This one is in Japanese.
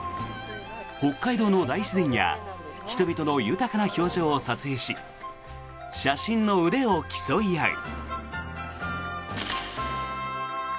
北海道の大自然や人々の豊かな表情を撮影し写真の腕を競い合う。